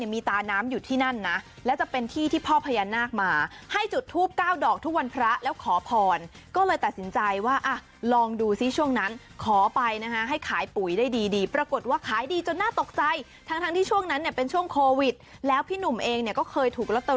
มาก็เลยนำรูปปั้นพญานาคขนาดใหญ่